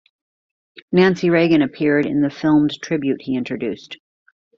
Nancy Reagan appeared in the filmed tribute he introduced.